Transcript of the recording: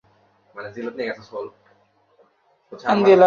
আমরা ফলাও করে অবাধ তথ্যপ্রবাহের কথা বলছি, তথ্য অধিকার আইন করছি।